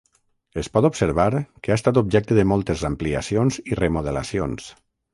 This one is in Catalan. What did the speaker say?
Es pot observar que ha estat objecte de moltes ampliacions i remodelacions.